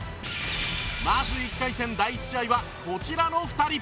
まず１回戦第１試合はこちらの２人